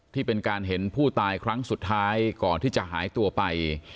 ที่เป็นการเห็นผู้ตายครั้งสุดท้ายก่อนที่จะหายตัวไป